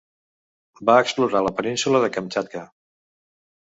Va explorar la península de Kamtxatka.